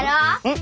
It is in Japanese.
ん？